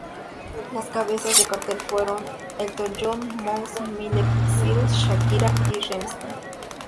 Las cabezas de cartel fueron: Elton John, Muse, Miley Cyrus, Shakira y Rammstein.